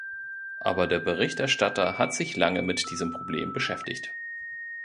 Aber der Berichterstatter hat sich lange mit diesem Problem beschäftigt.